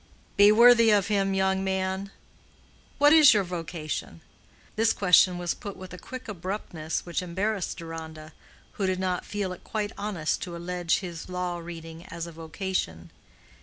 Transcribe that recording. "Be worthy of him, young man. What is your vocation?" This question was put with a quick abruptness which embarrassed Deronda, who did not feel it quite honest to allege his law reading as a vocation.